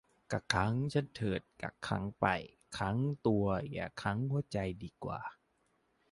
กักขังฉันเถิดกักขังไป ขังตัวอย่าขังหัวใจดีกว่า